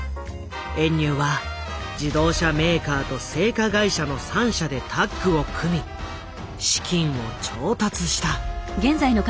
遠入は自動車メーカーと製菓会社の３社でタッグを組み資金を調達した。